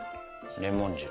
レモン汁。